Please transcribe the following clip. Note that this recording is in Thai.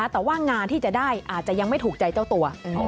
แต่ว่างานที่จะได้อาจจะยังไม่ถูกใจเจ้าตัว